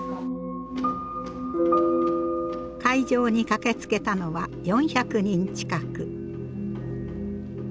会場に駆けつけたのは４００人近く。